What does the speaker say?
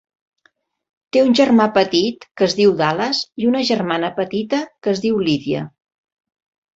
Té un germà petit, que es diu Dallas, i una germana petita, que es diu Lydia.